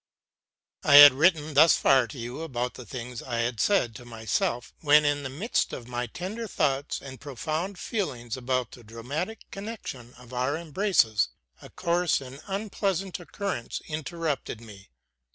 I had written thus far to you about the things I had said to myself, when, in the midst of my tender thoughts and profound feelings about the dramatic connection of our embraces, a coarse and unpleasant occurrence interrupted me.